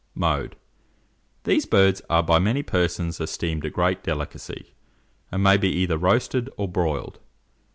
Mode. These birds are by many persons esteemed a great delicacy, and may be either roasted or broiled.